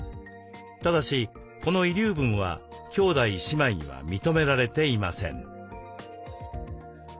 ただしこの遺留分は兄弟姉妹には認められていません。